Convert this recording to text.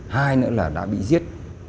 hai nữa là đã bị giết